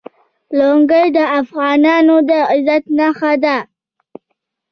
لنګۍ د افغانانو د عزت نښه ده.